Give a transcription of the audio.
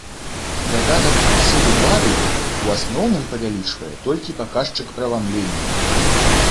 Дадатак аксіду барыю ў асноўным павялічвае толькі паказчык праламлення.